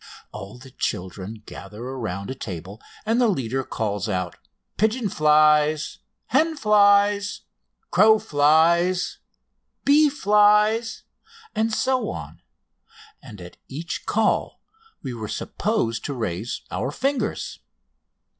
All the children gather round a table, and the leader calls out: "Pigeon flies!" "Hen flies!" "Crow flies!" "Bee flies!" and so on, and at each call we were supposed to raise our fingers.